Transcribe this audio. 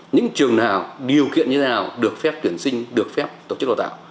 những trường nào điều kiện như thế nào được phép tuyển sinh được phép tổ chức đào tạo